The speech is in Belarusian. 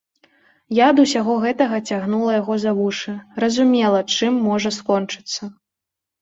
Я ад усяго гэтага цягнула яго за вушы, разумела, чым можа скончыцца.